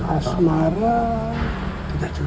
asmara tidak pernah